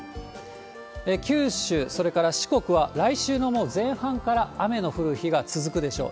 九州、それから四国は来週のもう前半から、雨の降る日が続くでしょう。